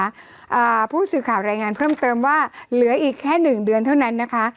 อ่าผู้สื่อข่าวรายงานเพิ่มเติมว่าเหลืออีกแค่หนึ่งเดือนเท่านั้นนะคะ